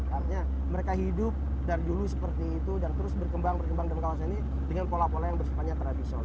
artinya mereka hidup dari dulu seperti itu dan terus berkembang berkembang dalam kawasan ini dengan pola pola yang bersifatnya tradisional